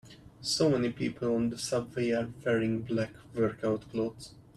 So many people on the subway are wearing black workout clothes.